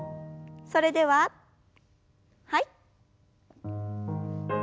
それでははい。